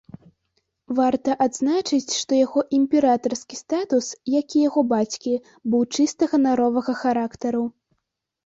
Варта адзначыць, што яго імператарскі статус, як і яго бацькі, быў чыста ганаровага характару.